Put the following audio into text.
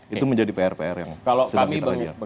itu menjadi pr pr yang sedang kita kajian